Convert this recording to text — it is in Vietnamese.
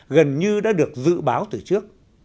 gần như đã được dự báo từ trước